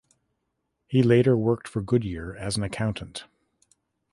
He later worked for Goodyear as an accountant.